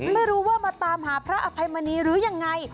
ไม่รู้ว่ามาตามหาพระอภัยมณีหรือยังไง